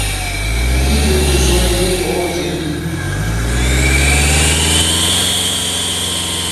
Qui que vous soyez, ô génies